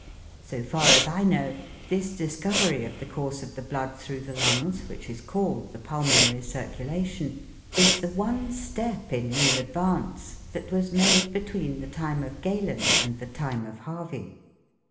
So far as I know, this discovery of the course of the blood through the lungs, which is called the pulmonary circulation, is the one step in real advance that was made between the time of Galen and the time of Harvey.